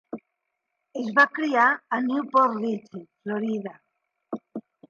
Es va criar a New Port Richey, Florida.